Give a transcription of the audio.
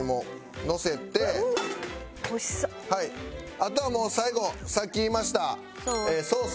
あとはもう最後さっき言いましたソース。